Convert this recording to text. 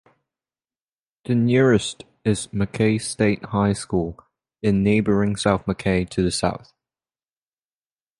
The nearest is Mackay State High School in neighbouring South Mackay to the south.